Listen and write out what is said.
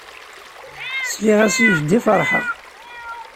Sliɣ-as i jeddi ferḥeɣ.